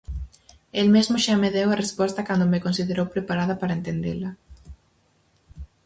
El mesmo xa me deu a resposta cando me considerou preparada para entendela.